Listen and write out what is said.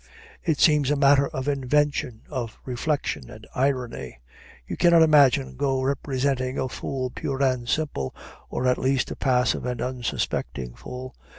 It seems a matter of invention, of reflection and irony. You cannot imagine Got representing a fool pure and simple or at least a passive and unsuspecting fool.